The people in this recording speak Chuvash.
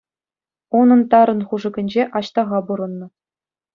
Унӑн тарӑн хушӑкӗнче Аҫтаха пурӑннӑ.